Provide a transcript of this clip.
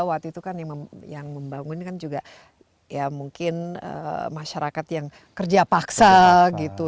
waktu itu kan yang membangun kan juga ya mungkin masyarakat yang kerja paksa gitu